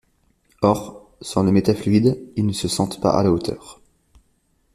Or, sans le métafluide, ils ne se sentent pas à la hauteur.